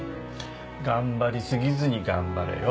頑張り過ぎずに頑張れよ。